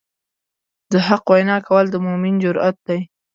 د حق وینا کول د مؤمن جرئت دی.